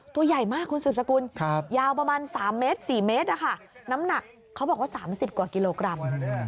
ตัวใหญ่มากคุณสุสกุลยาวประมาณ๓๔เมตรน้ำหนัก๓๐กว่ากิโลกรัม